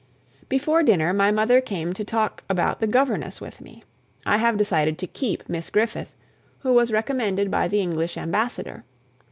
Before dinner, my mother came to talk about the governess with me. I have decided to keep Miss Griffith, who was recommended by the English ambassador.